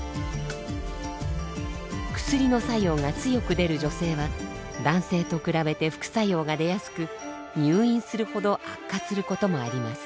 薬の作用が強くでる女性は男性と比べて副作用がでやすく入院するほど悪化することもあります。